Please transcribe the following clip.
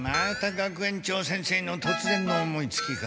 学園長先生のとつぜんの思いつきか。